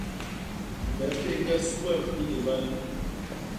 Me mbéñge su wem i léman.